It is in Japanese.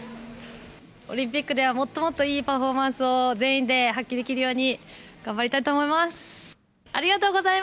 オリンピックではもっともっといいパフォーマンスを全員で発揮できるように、頑張りたいと思います。